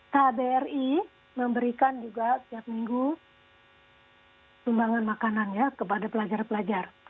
kbri memberikan juga setiap minggu sumbangan makanan ya kepada pelajar pelajar